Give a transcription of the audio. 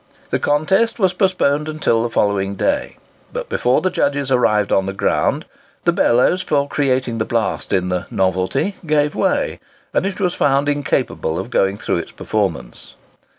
The contest was postponed until the following day, but before the judges arrived on the ground, the bellows for creating the blast in the "Novelty" gave way, and it was found incapable of going through its performance.